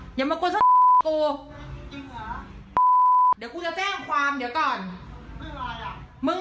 ก่อนมึงมาก่อนกูมึงมาครุกคนกูถึงที่เมื่อวานก็ไม่ไปกูไล่ให้มึงไปมึงก็